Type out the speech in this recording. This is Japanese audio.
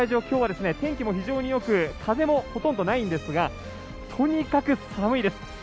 今日は天気も非常に良く風もほとんどないんですがとにかく寒いです。